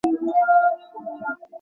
মতি তাকে নিষ্ঠুর মনে করে।